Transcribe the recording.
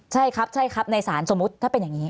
ใช่ครับใช่ครับในศาลสมมุติถ้าเป็นอย่างนี้